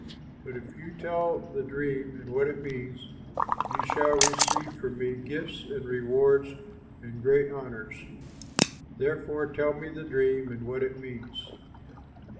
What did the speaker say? But if you tell the dream and what it means, you shall receive from me gifts and rewards and great honors; therefore tell me the dream and what it means."